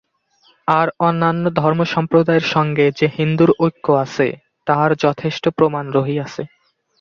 আর অন্যান্য ধর্ম-সম্প্রদায়ের সঙ্গে যে হিন্দুর ঐক্য আছে, তাহার যথেষ্ট প্রমাণ রহিয়াছে।